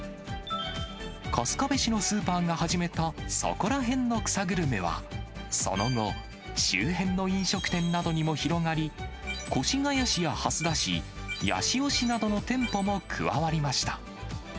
春日部市のスーパーが始めた、そこらへんの草グルメは、その後、周辺の飲食店などにも広がり、越谷市や蓮田市、八潮市などの店舗も加わりました。